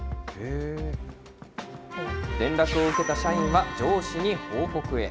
連絡を受けた社員は上司に報告へ。